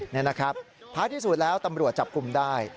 ท้ายที่สุดแล้วตำรวจจับคุมได้